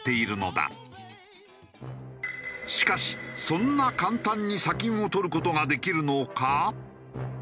しかしそんな簡単に砂金を採る事ができるのか？